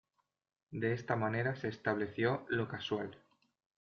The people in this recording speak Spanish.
De esta manera se estableció lo "casual".